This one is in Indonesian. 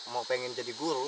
mau pengen jadi guru